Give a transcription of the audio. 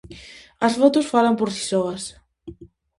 As fotos falan por si soas.